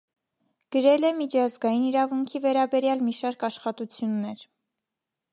Գրել է միջազգային իրավունքի վերաբերյալ մի շարք աշխատություններ։